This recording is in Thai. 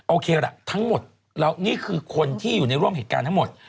โอเคละทั้งหมดแล้วนี่คือคนที่อยู่ในร่วมเหตุการณ์ทั้งหมด